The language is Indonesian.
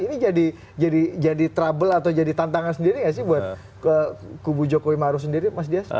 ini jadi trouble atau jadi tantangan sendiri gak sih buat kubu jokowi maruf sendiri mas dias